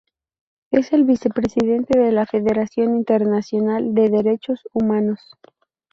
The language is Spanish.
Es el vicepresidente de la Federación Internacional de Derechos Humanos.